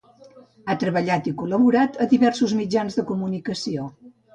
Ha treballat i col·laborat a diversos mitjans de comunicació.